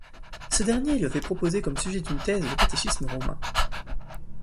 Ce dernier lui avait proposé comme sujet d'une thèse le catéchisme romain.